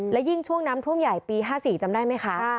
และยิ่งช่วงน้ำท่วมใหญ่ปี๕๔จำได้ไหมคะ